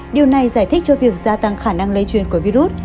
điều này giải thích cho việc gia tăng khả năng lây truyền của virus